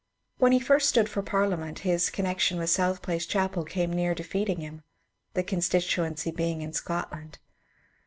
When he first stood for Parliament his connection with South Place chapel came near defeating him (the constituency being in Scotland).